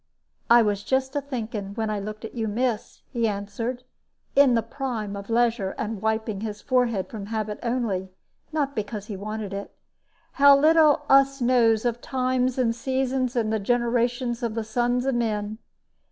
"I was just a thinking, when I looked at you, miss," he answered, in the prime of leisure, and wiping his forehead from habit only, not because he wanted it, "how little us knows of the times and seasons and the generations of the sons of men.